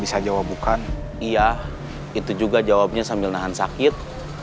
iya itu juga jawabnya sambil nahan sakit